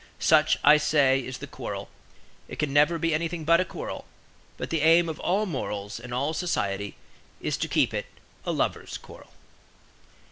Such, I say, is the quarrel; it can never be anything but a quarrel; but the aim of all morals and all society is to keep it a lovers' quarrel.